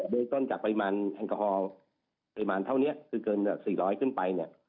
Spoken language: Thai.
เรื่องต้นจากปริมาณแอลกอฮอล์ปริมาณเท่านี้คือเกิน๔๐๐ขึ้นไปเนี่ย